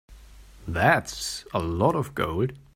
That's a lot of gold.